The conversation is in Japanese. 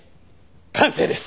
完成です！